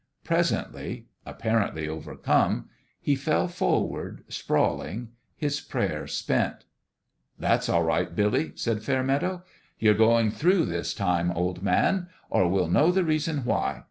Presently apparently overcome he fell forward sprawl ing, his prayer spent. "That's all right, Billy," said Fairmeadow. " You're going through , this time, old man, or we'll know the reason why.